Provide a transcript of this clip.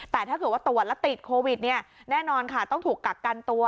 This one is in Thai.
แต่ถ้าเกิดว่าตรวจแล้วติดโควิดเนี่ยแน่นอนค่ะต้องถูกกักกันตัว